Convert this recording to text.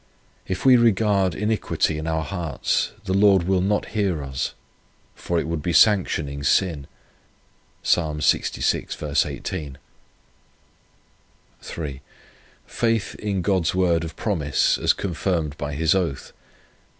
If we regard iniquity in our hearts, the Lord will not hear us, for it would be sanctioning sin. (Psalm lxvi. 18.) 3. Faith in God's word of promise as confirmed by His oath.